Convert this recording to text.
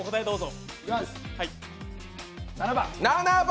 ７番。